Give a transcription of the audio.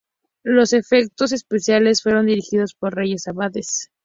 Los efectos especiales fueron dirigidos por Reyes Abades.